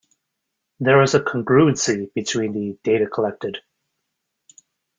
There is a congruency between the data collected.